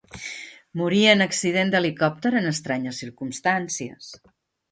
Morí en accident d'helicòpter en estranyes circumstàncies.